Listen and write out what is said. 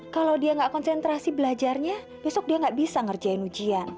kalau dia nggak konsentrasi belajarnya besok dia nggak bisa ngerjain ujian